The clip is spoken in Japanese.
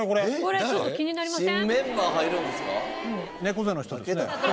これちょっと気になりません？